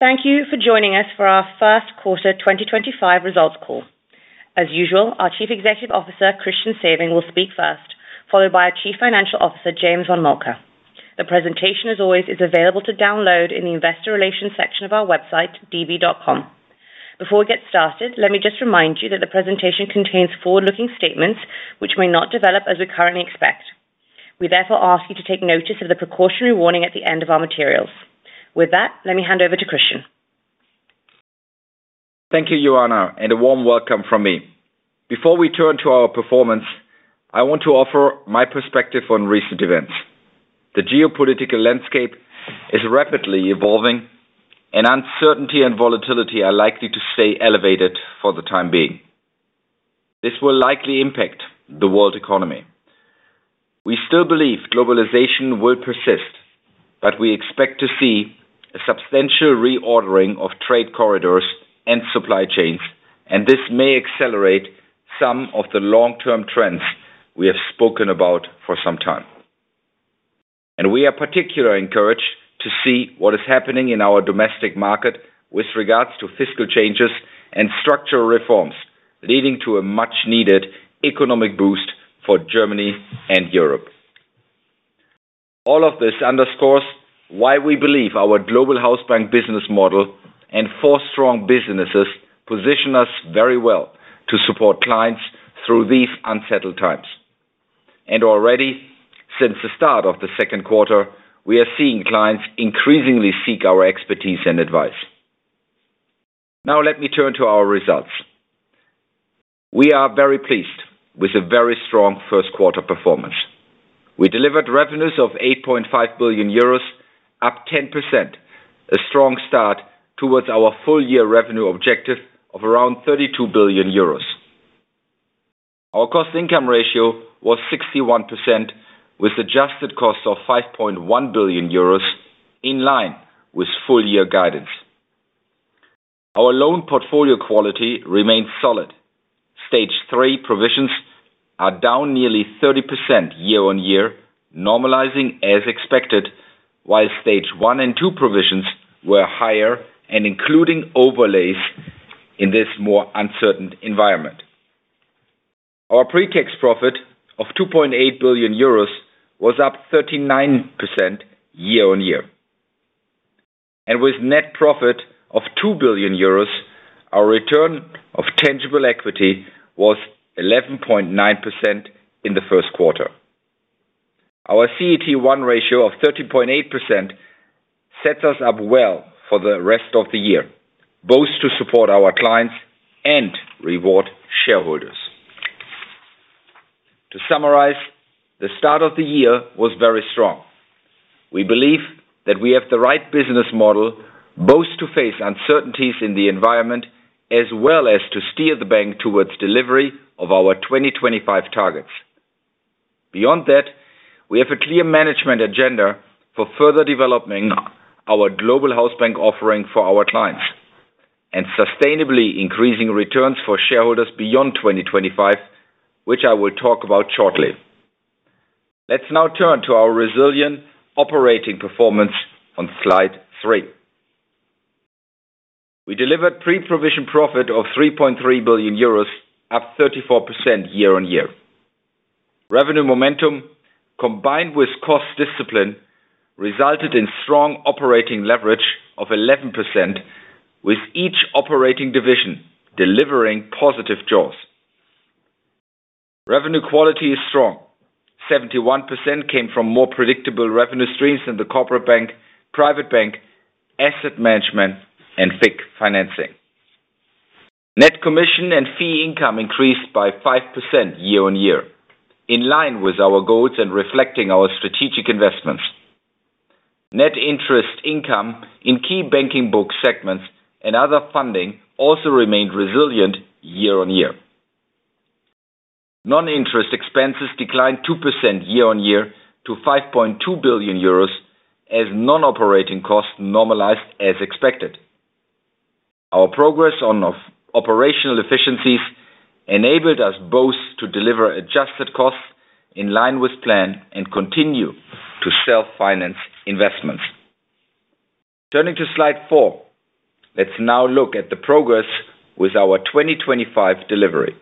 Thank you for joining us for our first quarter 2025 results call. As usual, our Chief Executive Officer, Christian Sewing, will speak first, followed by our Chief Financial Officer, James von Moltke. The presentation, as always, is available to download in the Investor Relations section of our website, db.com. Before we get started, let me just remind you that the presentation contains forward-looking statements which may not develop as we currently expect. We therefore ask you to take notice of the precautionary warning at the end of our materials. With that, let me hand over to Christian. Thank you, Ioana, and a warm welcome from me. Before we turn to our performance, I want to offer my perspective on recent events. The geopolitical landscape is rapidly evolving, and uncertainty and volatility are likely to stay elevated for the time being. This will likely impact the world economy. We still believe globalization will persist, but we expect to see a substantial reordering of trade corridors and supply chains, and this may accelerate some of the long-term trends we have spoken about for some time. We are particularly encouraged to see what is happening in our domestic market with regards to fiscal changes and structural reforms leading to a much-needed economic boost for Germany and Europe. All of this underscores why we believe our Global Hausbank business model and four strong businesses position us very well to support clients through these unsettled times. Already, since the start of the second quarter, we are seeing clients increasingly seek our expertise and advice. Now, let me turn to our results. We are very pleased with a very strong first quarter performance. We delivered revenues of 8.5 billion euros, up 10%, a strong start towards our full-year revenue objective of around 32 billion euros. Our cost-to-income ratio was 61%, with adjusted costs of 5.1 billion euros, in line with full-year guidance. Our loan portfolio quality remained solid. Stage three provisions are down nearly 30% year-on-year, normalizing as expected, while stage one and two provisions were higher and including overlays in this more uncertain environment. Our pre-tax profit of 2.8 billion euros was up 39% year-on-year. With net profit of 2 billion euros, our return on tangible equity was 11.9% in the first quarter. Our CET1 ratio of 13.8% sets us up well for the rest of the year, both to support our clients and reward shareholders. To summarize, the start of the year was very strong. We believe that we have the right business model both to face uncertainties in the environment as well as to steer the bank towards delivery of our 2025 targets. Beyond that, we have a clear management agenda for further developing our Global Hausbank offering for our clients and sustainably increasing returns for shareholders beyond 2025, which I will talk about shortly. Let's now turn to our resilient operating performance on slide three. We delivered pre-provision profit of 3.3 billion euros, up 34% year-on-year. Revenue momentum, combined with cost discipline, resulted in strong operating leverage of 11%, with each operating division delivering positive jaws. Revenue quality is strong. 71% came from more predictable revenue streams than the corporate bank, private bank, asset management, and FIC financing. Net commission and fee income increased by 5% year-on-year, in line with our goals and reflecting our strategic investments. Net interest income in key banking book segments and other funding also remained resilient year-on-year. Non-interest expenses declined 2% year-on-year to 5.2 billion euros, as non-operating costs normalized as expected. Our progress on operational efficiencies enabled us both to deliver adjusted costs in line with plan and continue to self-finance investments. Turning to slide four, let's now look at the progress with our 2025 delivery.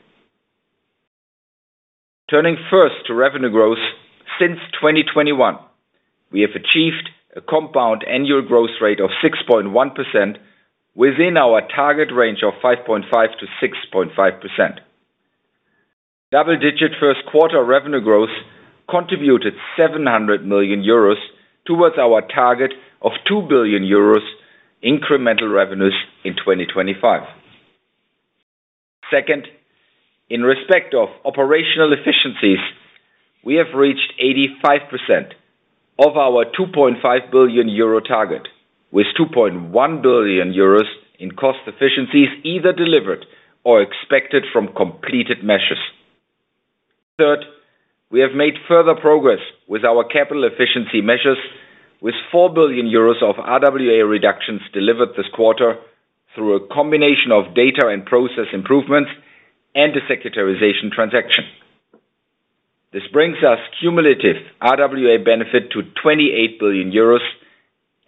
Turning first to revenue growth, since 2021, we have achieved a compound annual growth rate of 6.1% within our target range of 5.5%-6.5%. Double-digit first quarter revenue growth contributed 700 million euros towards our target of 2 billion euros incremental revenues in 2025. Second, in respect of operational efficiencies, we have reached 85% of our 2.5 billion euro target, with 2.1 billion euros in cost efficiencies either delivered or expected from completed measures. Third, we have made further progress with our capital efficiency measures, with 4 billion euros of RWA reductions delivered this quarter through a combination of data and process improvements and a sectorization transaction. This brings us cumulative RWA benefit to 28 billion euros,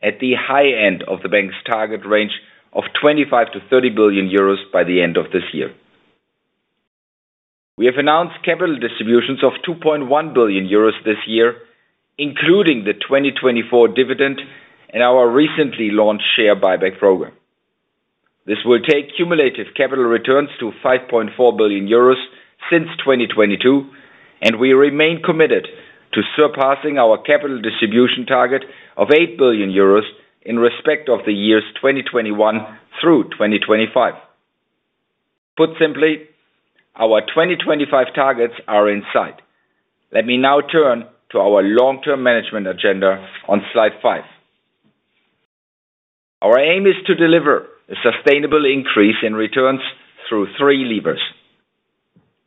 at the high end of the bank's target range of 25-30 billion euros by the end of this year. We have announced capital distributions of 2.1 billion euros this year, including the 2024 dividend and our recently launched share buyback program. This will take cumulative capital returns to 5.4 billion euros since 2022, and we remain committed to surpassing our capital distribution target of 8 billion euros in respect of the years 2021 through 2025. Put simply, our 2025 targets are in sight. Let me now turn to our long-term management agenda on slide five. Our aim is to deliver a sustainable increase in returns through three levers: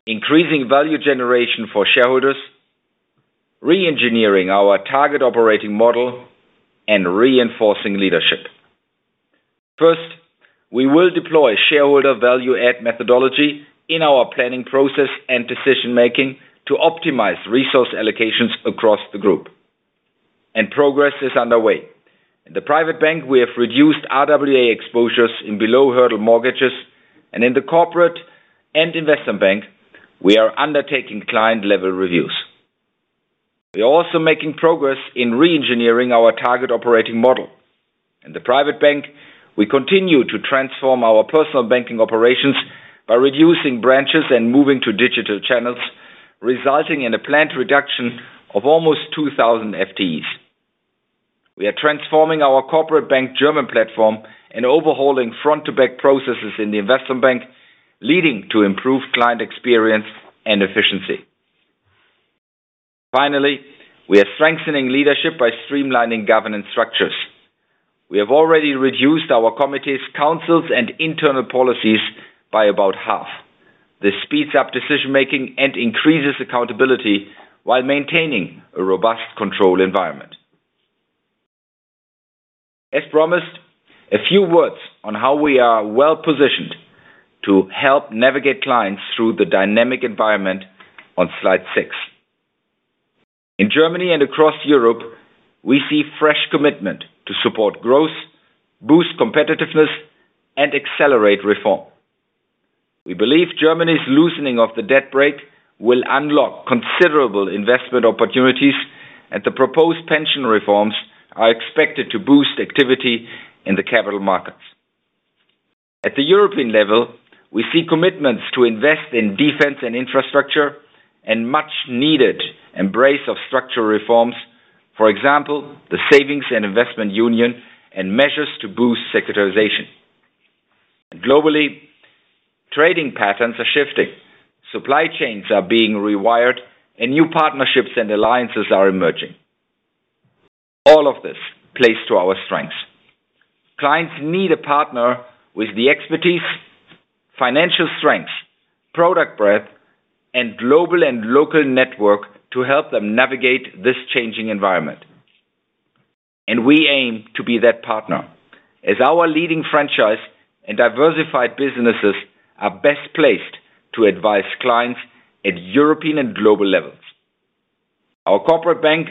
increasing value generation for shareholders, re-engineering our target operating model, and reinforcing leadership. First, we will deploy shareholder value-add methodology in our planning process and decision-making to optimize resource allocations across the group. Progress is underway. In the private bank, we have reduced RWA exposures in below-hurdle mortgages, and in the corporate and investment bank, we are undertaking client-level reviews. We are also making progress in re-engineering our target operating model. In the private bank, we continue to transform our personal banking operations by reducing branches and moving to digital channels, resulting in a planned reduction of almost 2,000 FTEs. We are transforming our corporate bank German platform and overhauling front-to-back processes in the investment bank, leading to improved client experience and efficiency. Finally, we are strengthening leadership by streamlining governance structures. We have already reduced our committees, councils, and internal policies by about half. This speeds up decision-making and increases accountability while maintaining a robust control environment. As promised, a few words on how we are well-positioned to help navigate clients through the dynamic environment on slide six. In Germany and across Europe, we see fresh commitment to support growth, boost competitiveness, and accelerate reform. We believe Germany's loosening of the debt brake will unlock considerable investment opportunities, and the proposed pension reforms are expected to boost activity in the capital markets. At the European level, we see commitments to invest in defense and infrastructure and much-needed embrace of structural reforms, for example, the Savings and Investment Union and measures to boost sectorization. Globally, trading patterns are shifting, supply chains are being rewired, and new partnerships and alliances are emerging. All of this plays to our strengths. Clients need a partner with the expertise, financial strengths, product breadth, and global and local network to help them navigate this changing environment. We aim to be that partner, as our leading franchise and diversified businesses are best placed to advise clients at European and global levels. Our corporate bank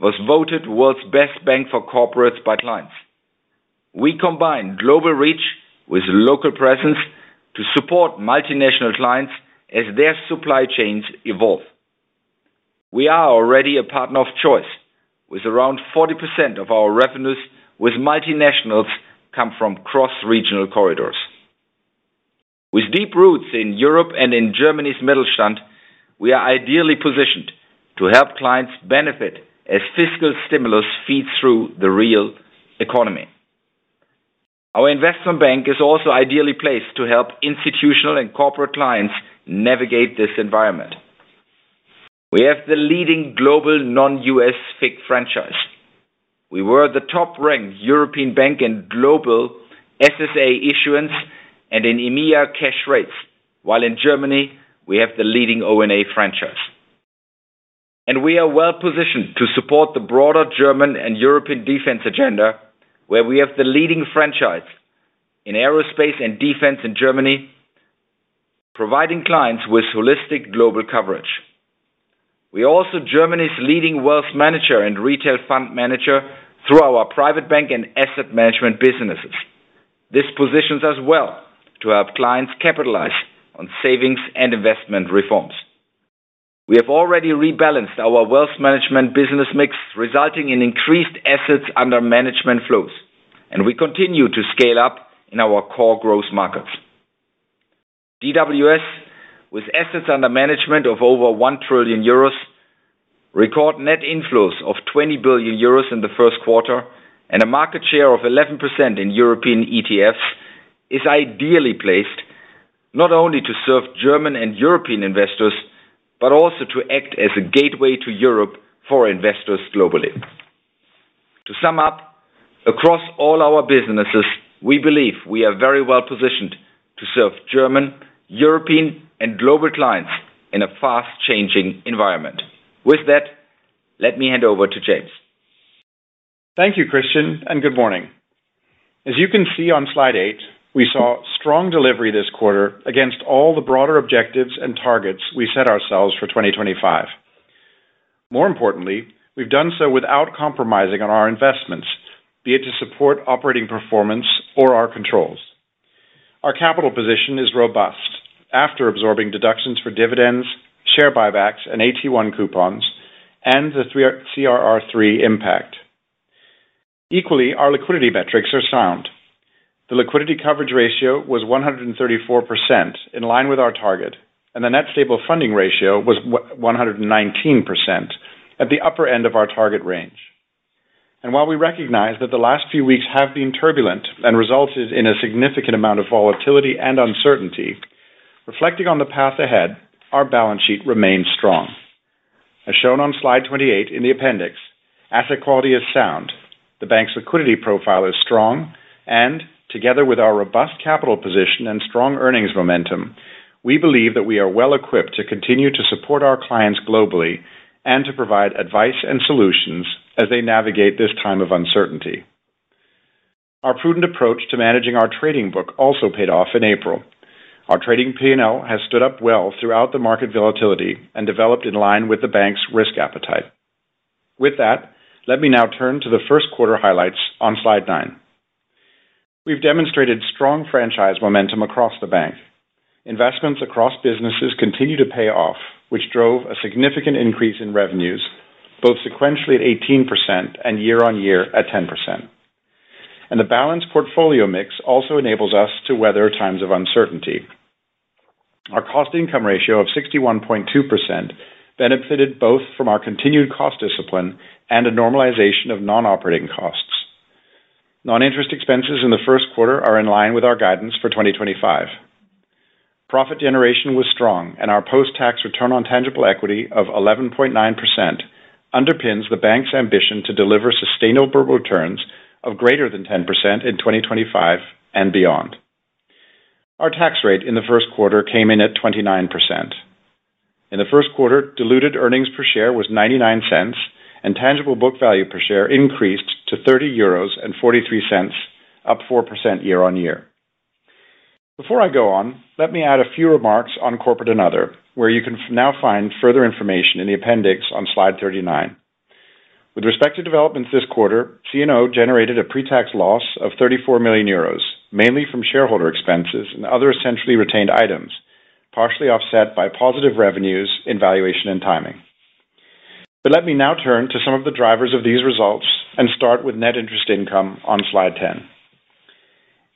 was voted world's best bank for corporates by clients. We combine global reach with local presence to support multinational clients as their supply chains evolve. We are already a partner of choice, with around 40% of our revenues with multinationals coming from cross-regional corridors. With deep roots in Europe and in Germany's Mittelstand, we are ideally positioned to help clients benefit as fiscal stimulus feeds through the real economy. Our investment bank is also ideally placed to help institutional and corporate clients navigate this environment. We have the leading global non-U.S. FIC franchise. We were the top-ranked European bank in global SSA issuance and in EMEA cash rates, while in Germany, we have the leading O&A franchise. We are well-positioned to support the broader German and European defense agenda, where we have the leading franchise in aerospace and defense in Germany, providing clients with holistic global coverage. We are also Germany's leading wealth manager and retail fund manager through our private bank and asset management businesses. This positions us well to help clients capitalize on savings and investment reforms. We have already rebalanced our wealth management business mix, resulting in increased assets under management flows, and we continue to scale up in our core growth markets. DWS, with assets under management of over 1 trillion euros, record net inflows of 20 billion euros in the first quarter and a market share of 11% in European ETFs, is ideally placed not only to serve German and European investors but also to act as a gateway to Europe for investors globally. To sum up, across all our businesses, we believe we are very well-positioned to serve German, European, and global clients in a fast-changing environment. With that, let me hand over to James. Thank you, Christian, and good morning. As you can see on slide eight, we saw strong delivery this quarter against all the broader objectives and targets we set ourselves for 2025. More importantly, we've done so without compromising on our investments, be it to support operating performance or our controls. Our capital position is robust after absorbing deductions for dividends, share buybacks, and AT1 coupons, and the CRR3 impact. Equally, our liquidity metrics are sound. The liquidity coverage ratio was 134%, in line with our target, and the net stable funding ratio was 119%, at the upper end of our target range. While we recognize that the last few weeks have been turbulent and resulted in a significant amount of volatility and uncertainty, reflecting on the path ahead, our balance sheet remains strong. As shown on slide 28 in the appendix, asset quality is sound, the bank's liquidity profile is strong, and together with our robust capital position and strong earnings momentum, we believe that we are well-equipped to continue to support our clients globally and to provide advice and solutions as they navigate this time of uncertainty. Our prudent approach to managing our trading book also paid off in April. Our trading P&L has stood up well throughout the market volatility and developed in line with the bank's risk appetite. With that, let me now turn to the first quarter highlights on slide nine. We have demonstrated strong franchise momentum across the bank. Investments across businesses continue to pay off, which drove a significant increase in revenues, both sequentially at 18% and year-on-year at 10%. The balanced portfolio mix also enables us to weather times of uncertainty. Our cost income ratio of 61.2% benefited both from our continued cost discipline and a normalization of non-operating costs. Non-interest expenses in the first quarter are in line with our guidance for 2025. Profit generation was strong, and our post-tax return on tangible equity of 11.9% underpins the bank's ambition to deliver sustainable returns of greater than 10% in 2025 and beyond. Our tax rate in the first quarter came in at 29%. In the first quarter, diluted earnings per share was $0.99, and tangible book value per share increased to 30.43 euros, up 4% year-on-year. Before I go on, let me add a few remarks on corporate and other, where you can now find further information in the appendix on slide 39. With respect to developments this quarter, C&O generated a pre-tax loss of 34 million euros, mainly from shareholder expenses and other essentially retained items, partially offset by positive revenues in valuation and timing. Let me now turn to some of the drivers of these results and start with net interest income on slide 10.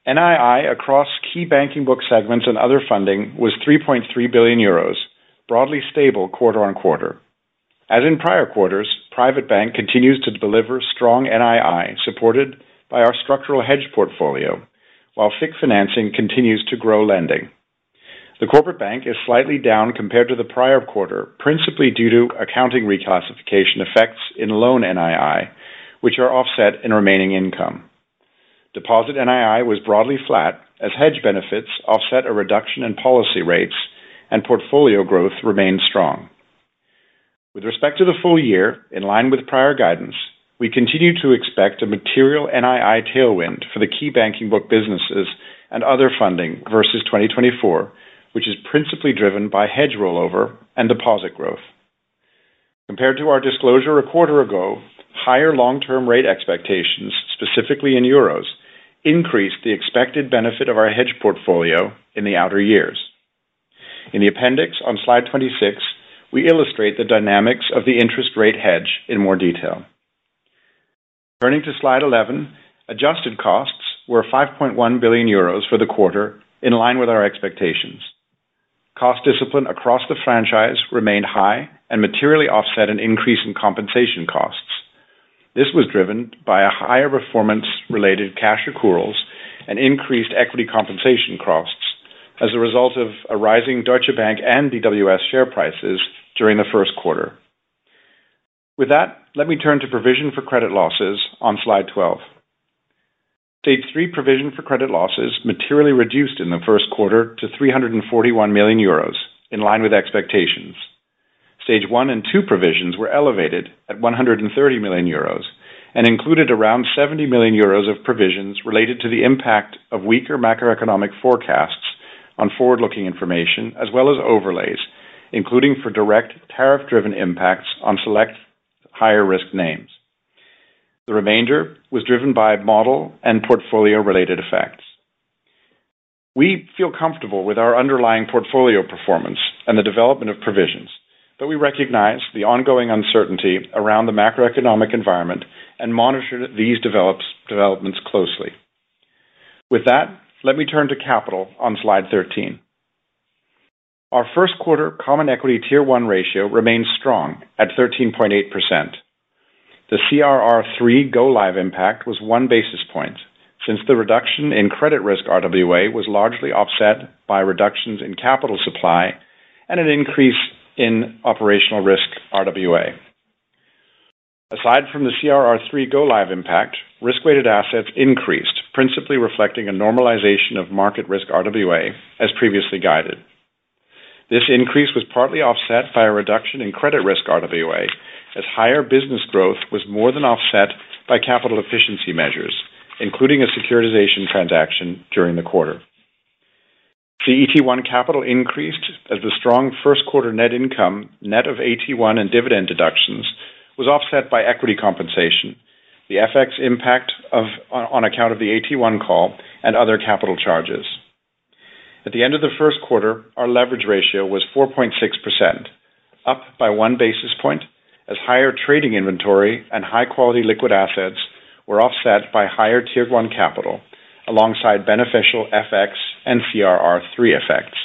NII across key banking book segments and other funding was 3.3 billion euros, broadly stable quarter on quarter. As in prior quarters, private bank continues to deliver strong NII supported by our structural hedge portfolio, while FIC financing continues to grow lending. The corporate bank is slightly down compared to the prior quarter, principally due to accounting reclassification effects in loan NII, which are offset in remaining income. Deposit NII was broadly flat, as hedge benefits offset a reduction in policy rates, and portfolio growth remained strong. With respect to the full year, in line with prior guidance, we continue to expect a material NII tailwind for the key banking book businesses and other funding versus 2024, which is principally driven by hedge rollover and deposit growth. Compared to our disclosure a quarter ago, higher long-term rate expectations, specifically in euros, increased the expected benefit of our hedge portfolio in the outer years. In the appendix on slide 26, we illustrate the dynamics of the interest rate hedge in more detail. Turning to slide 11, adjusted costs were 5.1 billion euros for the quarter, in line with our expectations. Cost discipline across the franchise remained high and materially offset an increase in compensation costs. This was driven by higher performance-related cash accruals and increased equity compensation costs as a result of a rising Deutsche Bank and DWS share prices during the first quarter. With that, let me turn to provision for credit losses on slide 12. Stage three provision for credit losses materially reduced in the first quarter to 341 million euros, in line with expectations. Stage one and two provisions were elevated at 130 million euros and included around 70 million euros of provisions related to the impact of weaker macroeconomic forecasts on forward-looking information, as well as overlays, including for direct tariff-driven impacts on select higher-risk names. The remainder was driven by model and portfolio-related effects. We feel comfortable with our underlying portfolio performance and the development of provisions, but we recognize the ongoing uncertainty around the macroeconomic environment and monitor these developments closely. With that, let me turn to capital on slide 13. Our first quarter common equity tier one ratio remains strong at 13.8%. The CRR3 go-live impact was one basis point since the reduction in credit risk RWA was largely offset by reductions in capital supply and an increase in operational risk RWA. Aside from the CRR3 go-live impact, risk-weighted assets increased, principally reflecting a normalization of market risk RWA, as previously guided. This increase was partly offset by a reduction in credit risk RWA, as higher business growth was more than offset by capital efficiency measures, including a securitization transaction during the quarter. The CET1 capital increased as the strong first quarter net income, net of AT1 and dividend deductions, was offset by equity compensation, the FX impact on account of the AT1 call and other capital charges. At the end of the first quarter, our leverage ratio was 4.6%, up by one basis point, as higher trading inventory and high-quality liquid assets were offset by higher tier one capital alongside beneficial FX and CRR3 effects.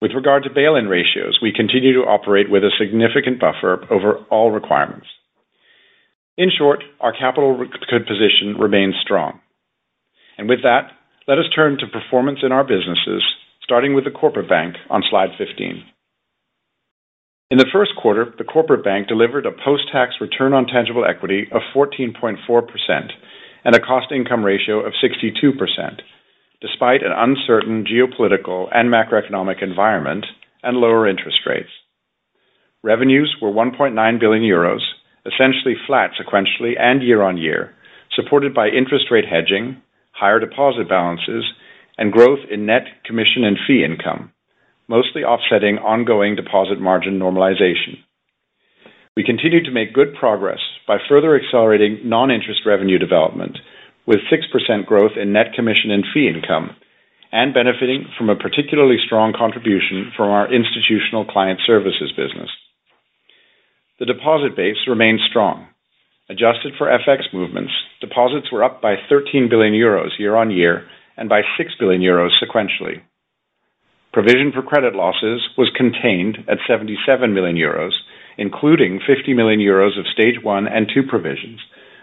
With regard to bail-in ratios, we continue to operate with a significant buffer over all requirements. In short, our capital position remains strong. Let us turn to performance in our businesses, starting with the corporate bank on slide 15. In the first quarter, the corporate bank delivered a post-tax return on tangible equity of 14.4% and a cost-to-income ratio of 62%, despite an uncertain geopolitical and macroeconomic environment and lower interest rates. Revenues were 1.9 billion euros, essentially flat sequentially and year-on-year, supported by interest rate hedging, higher deposit balances, and growth in net commission and fee income, mostly offsetting ongoing deposit margin normalization. We continue to make good progress by further accelerating non-interest revenue development, with 6% growth in net commission and fee income, and benefiting from a particularly strong contribution from our institutional client services business. The deposit base remained strong. Adjusted for FX movements, deposits were up by 13 billion euros year-on-year and by 6 billion euros sequentially. Provision for credit losses was contained at 77 million euros, including 50 million euros of stage one and two provisions,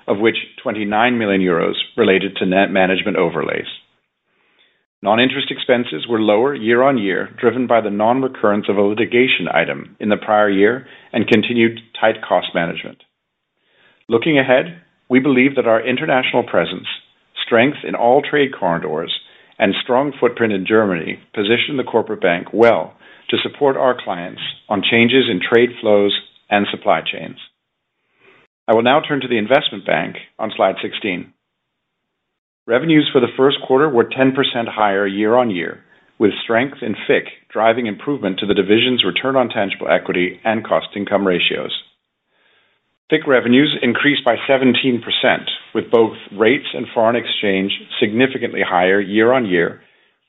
of which 29 million euros related to net management overlays. Non-interest expenses were lower year-on-year, driven by the non-recurrence of a litigation item in the prior year and continued tight cost management. Looking ahead, we believe that our international presence, strength in all trade corridors, and strong footprint in Germany position the corporate bank well to support our clients on changes in trade flows and supply chains. I will now turn to the investment bank on slide 16. Revenues for the first quarter were 10% higher year-on-year, with strength in FIC driving improvement to the division's return on tangible equity and cost-to-income ratios. FIC revenues increased by 17%, with both rates and foreign exchange significantly higher year-on-year,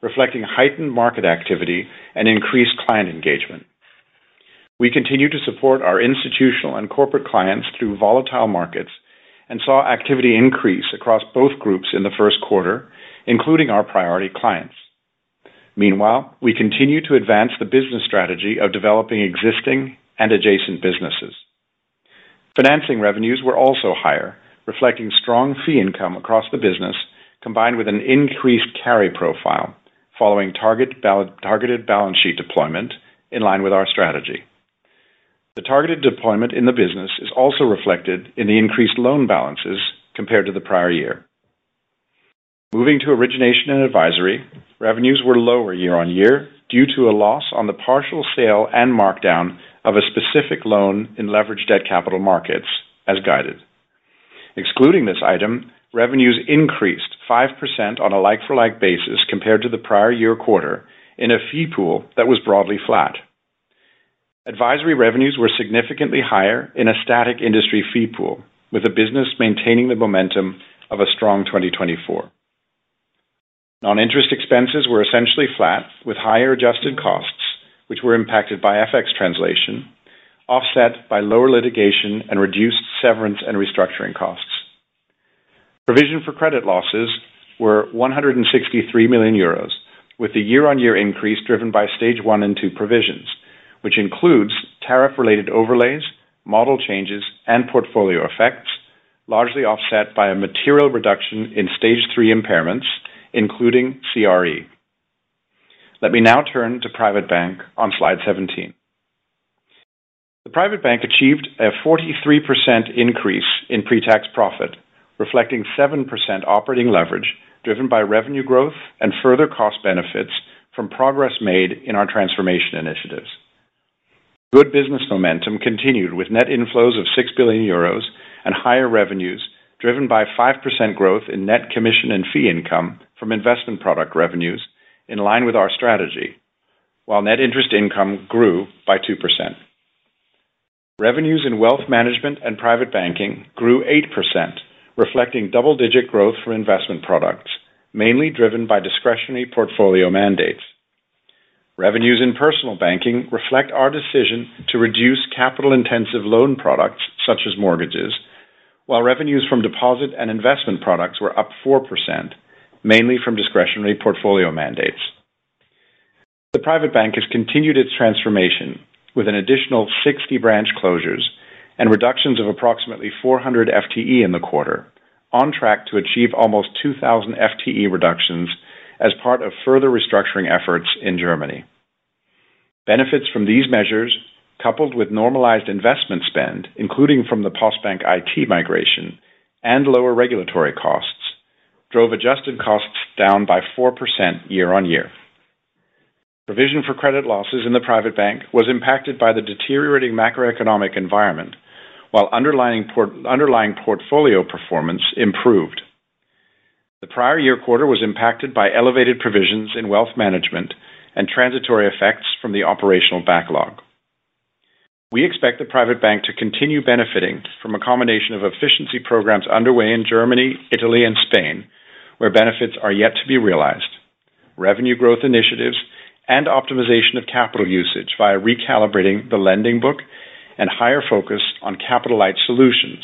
reflecting heightened market activity and increased client engagement. We continue to support our institutional and corporate clients through volatile markets and saw activity increase across both groups in the first quarter, including our priority clients. Meanwhile, we continue to advance the business strategy of developing existing and adjacent businesses. Financing revenues were also higher, reflecting strong fee income across the business, combined with an increased carry profile following targeted balance sheet deployment in line with our strategy. The targeted deployment in the business is also reflected in the increased loan balances compared to the prior year. Moving to origination and advisory, revenues were lower year-on-year due to a loss on the partial sale and markdown of a specific loan in leveraged debt capital markets, as guided. Excluding this item, revenues increased 5% on a like-for-like basis compared to the prior year quarter in a fee pool that was broadly flat. Advisory revenues were significantly higher in a static industry fee pool, with the business maintaining the momentum of a strong 2024. Non-interest expenses were essentially flat, with higher adjusted costs, which were impacted by FX translation, offset by lower litigation and reduced severance and restructuring costs. Provision for credit losses were 163 million euros, with the year-on-year increase driven by stage one and two provisions, which includes tariff-related overlays, model changes, and portfolio effects, largely offset by a material reduction in stage three impairments, including CRE. Let me now turn to private bank on slide 17. The private bank achieved a 43% increase in pre-tax profit, reflecting 7% operating leverage driven by revenue growth and further cost benefits from progress made in our transformation initiatives. Good business momentum continued with net inflows of 6 billion euros and higher revenues driven by 5% growth in net commission and fee income from investment product revenues, in line with our strategy, while net interest income grew by 2%. Revenues in wealth management and private banking grew 8%, reflecting double-digit growth for investment products, mainly driven by discretionary portfolio mandates. Revenues in personal banking reflect our decision to reduce capital-intensive loan products such as mortgages, while revenues from deposit and investment products were up 4%, mainly from discretionary portfolio mandates. The private bank has continued its transformation with an additional 60 branch closures and reductions of approximately 400 FTE in the quarter, on track to achieve almost 2,000 FTE reductions as part of further restructuring efforts in Germany. Benefits from these measures, coupled with normalized investment spend, including from the Postbank IT migration and lower regulatory costs, drove adjusted costs down by 4% year-on-year. Provision for credit losses in the private bank was impacted by the deteriorating macroeconomic environment, while underlying portfolio performance improved. The prior year quarter was impacted by elevated provisions in wealth management and transitory effects from the operational backlog. We expect the private bank to continue benefiting from a combination of efficiency programs underway in Germany, Italy, and Spain, where benefits are yet to be realized: revenue growth initiatives and optimization of capital usage via recalibrating the lending book and higher focus on capital-light solutions,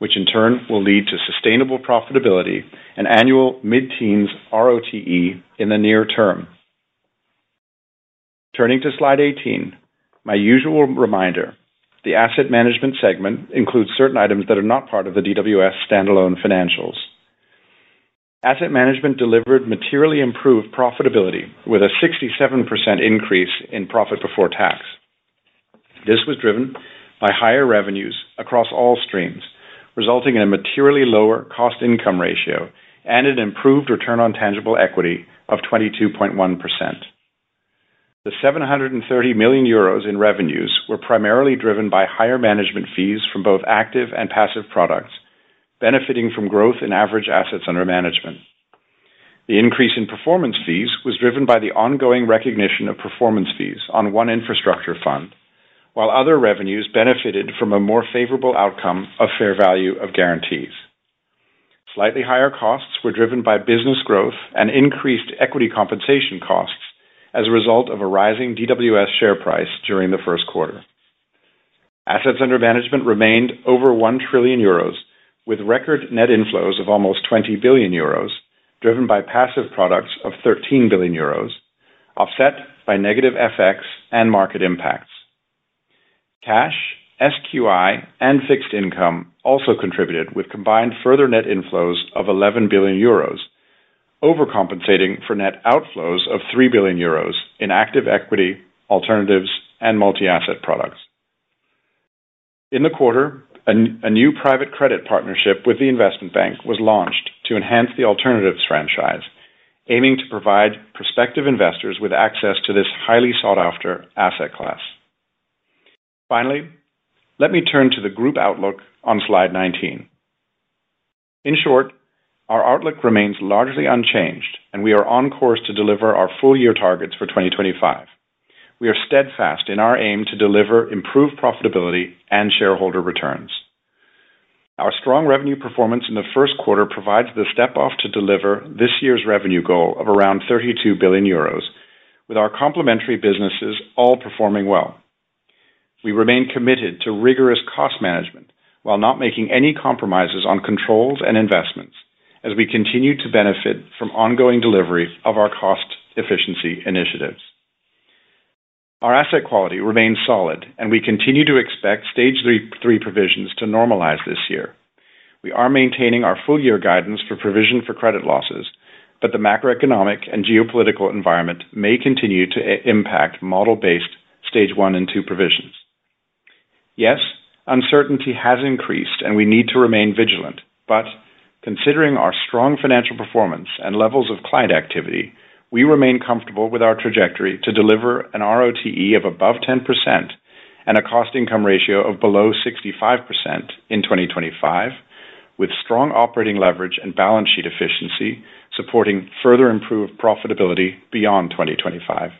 which in turn will lead to sustainable profitability and annual mid-teens RoTE in the near term. Turning to slide 18, my usual reminder, the asset management segment includes certain items that are not part of the DWS standalone financials. Asset management delivered materially improved profitability with a 67% increase in profit before tax. This was driven by higher revenues across all streams, resulting in a materially lower cost-to-income ratio and an improved return on tangible equity of 22.1%. The 730 million euros in revenues were primarily driven by higher management fees from both active and passive products, benefiting from growth in average assets under management. The increase in performance fees was driven by the ongoing recognition of performance fees on one infrastructure fund, while other revenues benefited from a more favorable outcome of fair value of guarantees. Slightly higher costs were driven by business growth and increased equity compensation costs as a result of a rising DWS share price during the first quarter. Assets under management remained over 1 trillion euros, with record net inflows of almost 20 billion euros, driven by passive products of 13 billion euros, offset by negative FX and market impacts. Cash, SQI, and fixed income also contributed with combined further net inflows of 11 billion euros, overcompensating for net outflows of 3 billion euros in active equity, alternatives, and multi-asset products. In the quarter, a new private credit partnership with the investment bank was launched to enhance the alternatives franchise, aiming to provide prospective investors with access to this highly sought-after asset class. Finally, let me turn to the group outlook on slide 19. In short, our outlook remains largely unchanged, and we are on course to deliver our full-year targets for 2025. We are steadfast in our aim to deliver improved profitability and shareholder returns. Our strong revenue performance in the first quarter provides the step off to deliver this year's revenue goal of around 32 billion euros, with our complementary businesses all performing well. We remain committed to rigorous cost management while not making any compromises on controls and investments, as we continue to benefit from ongoing delivery of our cost efficiency initiatives. Our asset quality remains solid, and we continue to expect stage three provisions to normalize this year. We are maintaining our full-year guidance for provision for credit losses, but the macroeconomic and geopolitical environment may continue to impact model-based stage one and two provisions. Yes, uncertainty has increased, and we need to remain vigilant, but considering our strong financial performance and levels of client activity, we remain comfortable with our trajectory to deliver an RoTE of above 10% and a cost-to-income ratio of below 65% in 2025, with strong operating leverage and balance sheet efficiency supporting further improved profitability beyond 2025.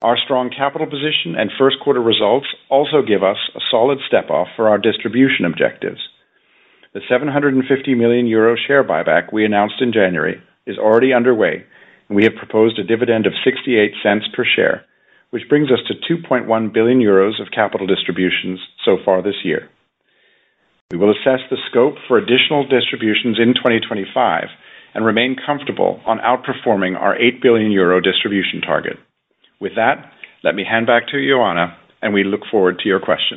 Our strong capital position and first quarter results also give us a solid step off for our distribution objectives. The 750 million euro share buyback we announced in January is already underway, and we have proposed a dividend of 0.68 per share, which brings us to 2.1 billion euros of capital distributions so far this year. We will assess the scope for additional distributions in 2025 and remain comfortable on outperforming our 8 billion euro distribution target. With that, let me hand back to Ioana, and we look forward to your questions.